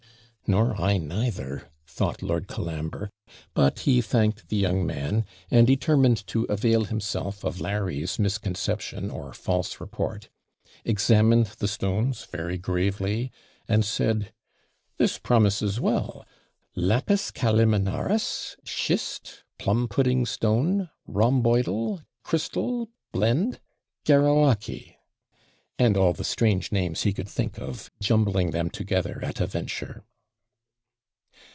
'Nor I, neither,' thought Lord Colambre; but he thanked the young man, and determined to avail himself of Larry's misconception or false report; examined the stones very gravely, and said, 'This promises well. Lapis caliminaris, schist, plum pudding stone, rhomboidal, crystal, blend, garrawachy,' and all the strange names he could think of, jumbling them together at a venture.